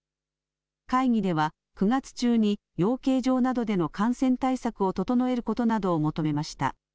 会議では、９月中に養鶏場などでの感染対策を整えることなどを求めました。